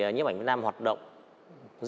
những ảnh việt nam hoạt động